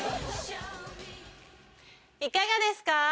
いかがですか？